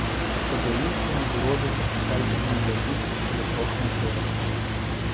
Спадзяюся, мы зробім, хай і невялікі, але крок наперад.